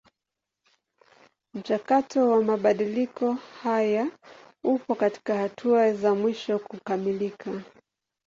Mchakato wa mabadiliko haya upo katika hatua za mwisho kukamilika.